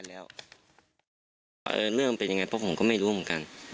แล้วเรื่องเป็นยังไงเพราะผมก็ไม่รู้เหมือนกัน